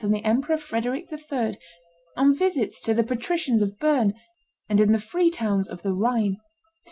and the Emperor Frederic III., on visits to the patricians of Berne, and in the free towns of the Rhine.